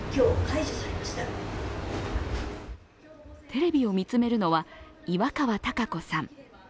テレビを見つめるのは岩川貴子さん。